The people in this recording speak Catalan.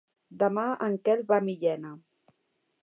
Demà en Quel va a Millena.